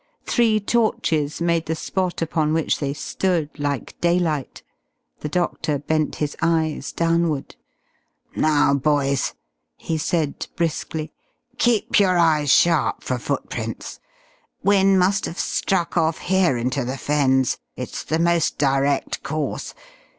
Three torches made the spot upon which they stood like daylight. The doctor bent his eyes downward. "Now, boys," he said briskly. "Keep your eyes sharp for footprints. Wynne must have struck off here into the Fens, it's the most direct course.